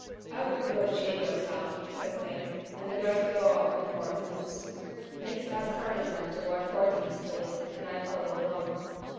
"Aw, go shave yourself!" says Nick, and the girls go off in more hoots. Nick starts herding them toward Fourteenth Street, and I follow along.